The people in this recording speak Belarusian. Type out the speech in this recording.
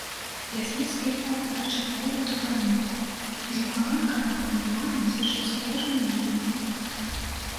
Лясніцкі ўпяў гарачы погляд у паненку, з ліхаманкавым хваляваннем сачыў за кожным яе рухам.